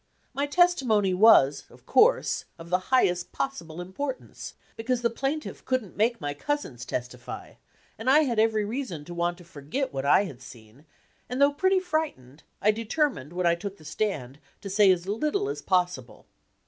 My testimony was, of course, of the highest possible importance, because the plaintiff could n't make my cousins testify, and I had every reason to want 225 LINCOLN THE LAWYER to forget what I had seen, and though pretty frightened, I determined, when I took the stand, to say as little as possible.